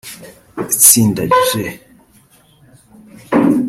Itsinda G